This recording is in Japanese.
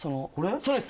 それです。